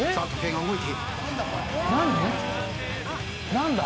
何だ？